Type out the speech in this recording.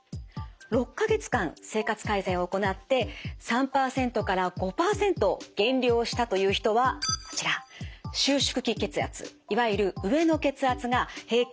６か月間生活改善を行って３％から５％減量をしたという人はこちら収縮期血圧いわゆる上の血圧が平均